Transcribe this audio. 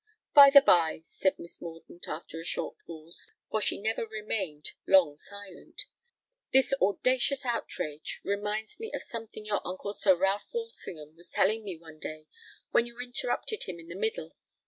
"By the by," said Miss Mordaunt, after a short pause—for she never remained long silent,—"this audacious outrage reminds me of something your uncle Sir Ralph Walsingham was telling me one day, when you interrupted him in the middle.